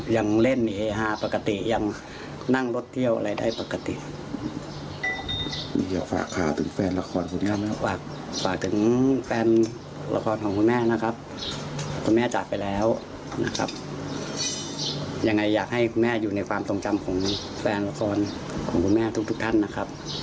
อย่างไรอยากให้แม่อยู่ในความทรงจำของแฟนละครของคุณแม่ทุกท่านนะครับ